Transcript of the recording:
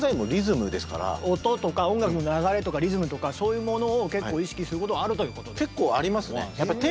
音とか音楽の流れとかリズムとかそういうものを結構意識することはあるということ？